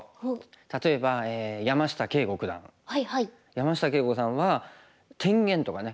山下敬吾さんは天元とかね。